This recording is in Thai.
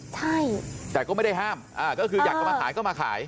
ใช่แต่ก็ไม่ได้ห้ามก็คืออยากจะมาขายก็มาขาย